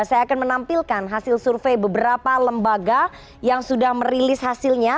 saya akan menampilkan hasil survei beberapa lembaga yang sudah merilis hasilnya